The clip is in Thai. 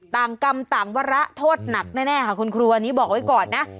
กรรมต่างวาระโทษหนักแน่ค่ะคุณครูอันนี้บอกไว้ก่อนนะ